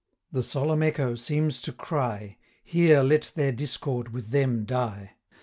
The solemn echo seems to cry, 190 'Here let their discord with them die.